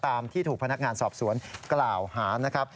ตามที่ถูกพนักงานสอบสวนกล่าวหา